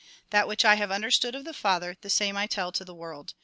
That which I have understood of the Father, the same I tell to the world.